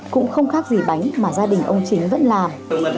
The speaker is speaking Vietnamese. cũng không khác gì bánh mà gia đình ông chính vẫn làm